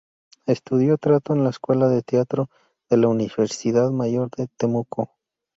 Estudió teatro en la Escuela de Teatro de la Universidad Mayor de Temuco.